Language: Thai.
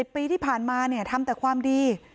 ปีที่ผ่านมาทำแต่ความดี